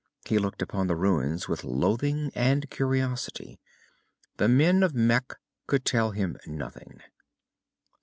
He looked upon the ruins with loathing and curiosity. The men of Mekh could tell him nothing.